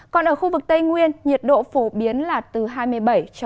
còn ở khu vực tây nguyên nhiệt độ phổ biến là từ hai mươi bảy cho đến hai mươi chín độ